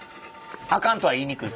あかんとは言いにくい？